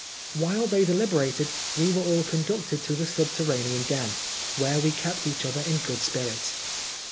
While they deliberated we were all conducted to the subterranean den, where we kept each other in good spirits.